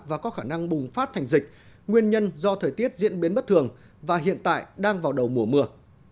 và có khả năng bùng phát thành dịch nguyên nhân do thời tiết diễn biến bất thường và hiện tại đang vào đầu mùa mưa